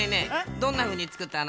どんなふうにつくったの？